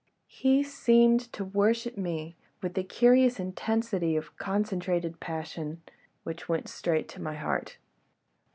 He seemed to worship me with a curious intensity of concentrated passion, which went straight to my heart.